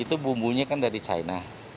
itu bumbunya kan dari china